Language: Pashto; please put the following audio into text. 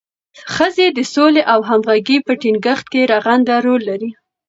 ښځې د سولې او همغږۍ په ټینګښت کې رغنده رول لري.